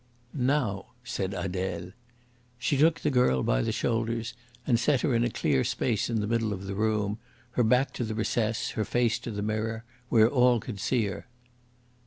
"Now," said Adele. She took the girl by the shoulders and set her in a clear space in the middle of the room, her back to the recess, her face to the mirror, where all could see her.